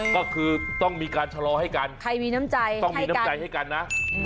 ก็คือต้องมีการชะลอให้กันใครมีน้ำใจต้องมีน้ำใจให้กันนะ